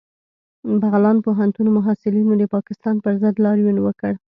بغلان پوهنتون محصلینو د پاکستان پر ضد لاریون وکړ